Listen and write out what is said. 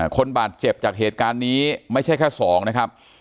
คนบาดเจ็บจากเหตุการณ์นี้ไม่ใช่แค่๒นะครับ